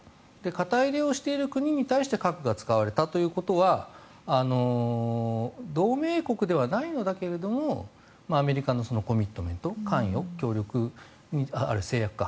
肩入れをしている国に対して核が使われたということは同盟国ではないんだけどもアメリカのコミットメント関与、協力誓約か。